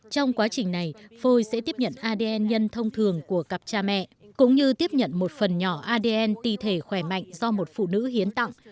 trong quá trình này phôi sẽ tiếp nhận adn nhân thông thường của cặp cha mẹ cũng như tiếp nhận một phần nhỏ adn t thể khỏe mạnh do một phụ nữ hiến tặng